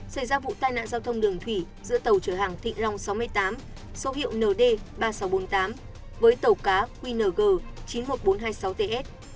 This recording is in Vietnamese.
xảy ra vụ tai nạn giao thông đường thủy giữa tàu chở hàng thị long sáu mươi tám số hiệu nd ba nghìn sáu trăm bốn mươi tám với tàu cá qng chín mươi một nghìn bốn trăm hai mươi sáu ts